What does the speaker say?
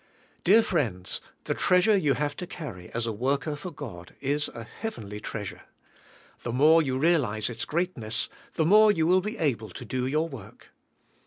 Dear friends, the treasure you have to carry, as a worker for God, is a heavenly treasure. The more you realize its greatness, the more you will be able to do your work.